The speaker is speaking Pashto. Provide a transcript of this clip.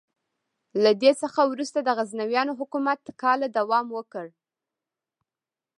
له دې څخه وروسته د غزنویانو حکومت کاله دوام وکړ.